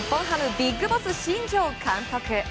ハムビッグボス新庄監督。